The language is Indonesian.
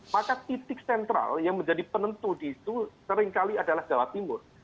maka titik sentral yang menjadi penentu di situ seringkali adalah jawa timur